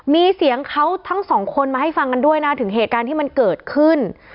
มีเสียงเขาทั้งสองคนมาให้ฟังกันด้วยนะถึงเหตุการณ์ที่มันเกิดขึ้น